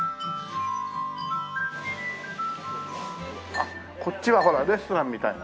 あっこっちはほらレストランみたいな感じになって。